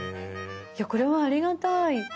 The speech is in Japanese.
いやこれはありがたい。